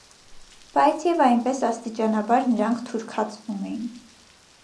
Բայց և այնպես աստիճանաբար նրանք «թուրքացվում» էին։